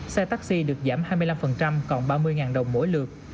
xe taxi được giảm hai mươi năm còn ba mươi đồng mỗi lượt